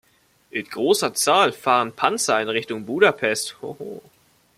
In großer Zahl fahren Panzer in Richtung Budapest.